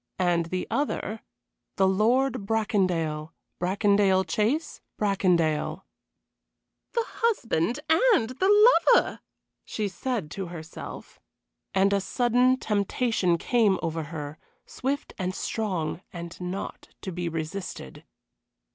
and the other: The Lord Bracondale, Bracondale Chase, Bracondale. "The husband and the lover!" she said to herself. And a sudden temptation came over her, swift and strong and not to be resisted.